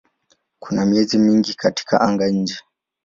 Kuna miezi mingi katika anga-nje.